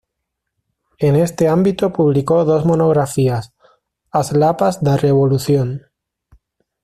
En este ámbito publicó dos monografías: "As lapas da revolución.